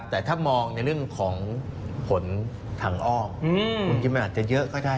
แต่ถ้ามองในเรื่องของผลทางอ้อมมันก็เยอะก็ได้